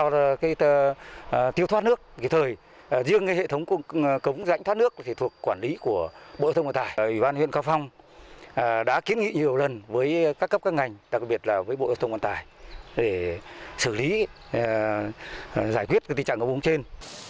riêng hệ thống cống rãnh thoát nước thì thuộc quản lý của bộ hệ thống quản tài ủy ban huyện cao phong đã kiến nghị nhiều lần với các cấp các ngành đặc biệt là với bộ hệ thống quản tài để xử lý giải quyết tình trạng giao thông trên